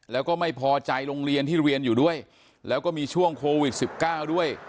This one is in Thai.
แล้วก็ไม่พอใจโรงเรียนที่เรียนอยู่ด้วยแล้วก็มีช่วงโควิด๑๙ด้วย